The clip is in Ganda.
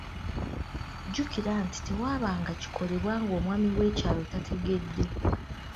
Jjukira nti tewaabanga kikolebwa ng’omwami w’ekyalo tategedde.